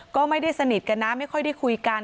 ก็ไม่ได้สนิทกันนะไม่ค่อยได้คุยกัน